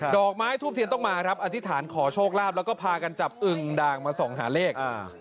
อกไม้ทูบเทียนต้องมาครับอธิษฐานขอโชคลาภแล้วก็พากันจับอึงด่างมาส่องหาเลข